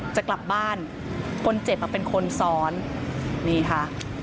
จะกลับบ้านคนเจ็บเป็นคนซ้อนนี่ค่ะ